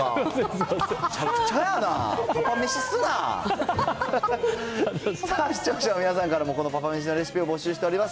さあ、視聴者の皆さんからもこのパパめしのレシピを募集しております。